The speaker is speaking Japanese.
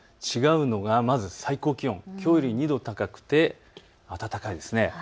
違うのが最高気温、きょうより２度高くて暖かいです。